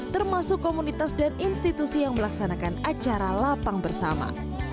termasuk komunitas dan institusi yang melaksanakan acara lapang bersama